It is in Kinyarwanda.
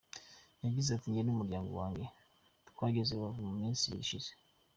Yagize ati “Njye n’umuryango wanjye twageze i Rubavu mu minsi ibiri ishize.